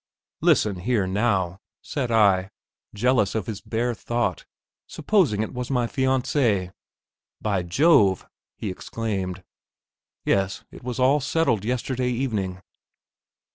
"Listen here now," said I, jealous of his bare thought. "Supposing it was my fiancée." "By Jove!" he exclaimed. "Yes; it was all settled yesterday evening."